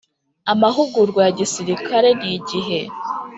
Amahugurwa ya gisirikare ni igihe